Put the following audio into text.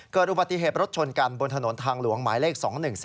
เกิดอุบัติเหตุรถชนกันบนถนนทางหลวงหมายเลข๒๑๒